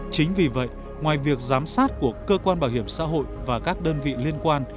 chính vì vậy ngoài việc giám sát của cơ quan bảo hiểm xã hội và các đơn vị liên quan